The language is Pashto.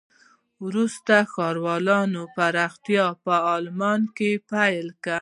وروسته د ښارونو پراختیا په آلمان کې پیل شوه.